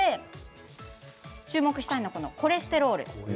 注目したいのがコレステロール。